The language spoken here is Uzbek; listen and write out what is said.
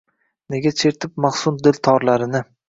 Nega chertib mahzun dil torlarini